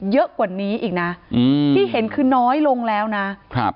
เยอะกว่านี้อีกนะอืมที่เห็นคือน้อยลงแล้วนะครับ